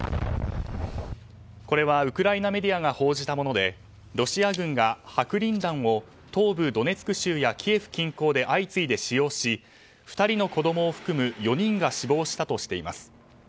これはウクライナメディアが報じたものでロシア軍が白リン弾を東部ドネツク州やキエフ近郊で相次いで使用し２人の子供を含む４人が死亡したとしています。